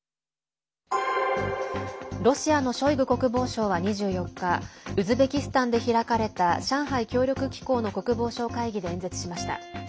ロシアのショイグ国防相は２４日ウズベキスタンで開かれた上海協力機構の国防相会議で演説しました。